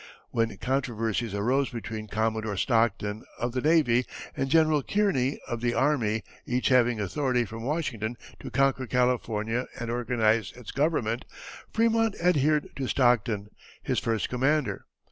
When controversies arose between Commodore Stockton, of the navy, and General Kearney, of the army, each having authority from Washington to conquer California and organize its government, Frémont adhered to Stockton, his first commander.